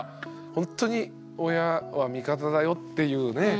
ほんとに「親は味方だよ」っていうね